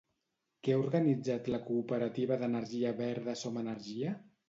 Què ha organitzat la cooperativa d'energia verda Som Energia?